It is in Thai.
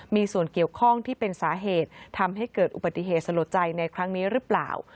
มีส่วนเกี่ยวข้องที่เป็นสาเหตุทำให้เกิดอุบัติเหตุสลดใจในครั้งนี้หรือเปล่า